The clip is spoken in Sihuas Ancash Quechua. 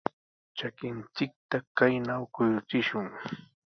Trakinchikta kaynaw kuyuchishun.